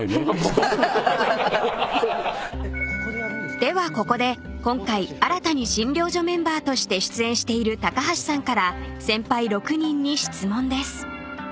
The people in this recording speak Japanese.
［ではここで今回新たに診療所メンバーとして出演している橋さんから先輩６人に質問です］